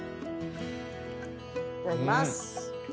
いただきます。